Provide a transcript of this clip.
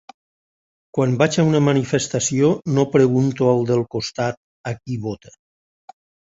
Quan vaig a una manifestació no pregunto al del costat a qui vota.